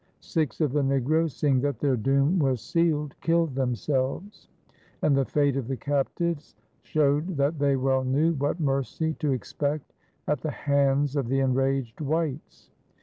Six of the negroes, seeing that their doom was sealed, killed themselves, and the fate of the captives showed that they well knew what mercy to expect at the hands of the enraged whites.